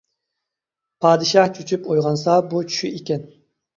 پادىشاھ چۈچۈپ ئويغانسا بۇ چۈشى ئىكەن.